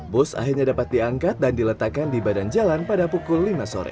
bus akhirnya dapat diangkat dan diletakkan di badan jalan pada pukul lima sore